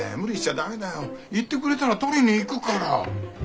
言ってくれたら取りに行くから！